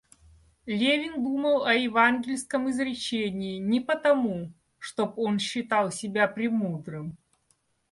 Левин думал о евангельском изречении не потому, чтоб он считал себя премудрым.